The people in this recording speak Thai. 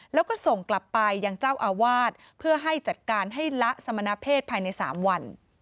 แล้วก็ส่งกลับไปยังเจ้าอาวาสเพื่อให้จัดการให้ละสมณเพศภายใน๓วัน